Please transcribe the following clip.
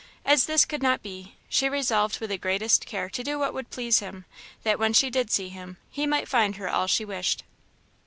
As this could not be, she resolved with the greatest care to do what would please him; that when she did see him, he might find her all he wished.